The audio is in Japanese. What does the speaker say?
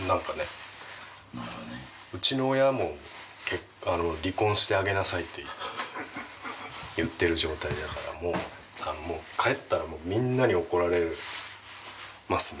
うちの親も、離婚してあげなさいって言ってる状態だから帰ったら、みんなに怒られますね。